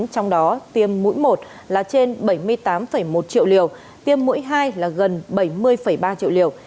trong đó tiêm mũi một là trên bảy mươi tám một triệu liều tiêm mũi hai là gần bảy mươi ba triệu liều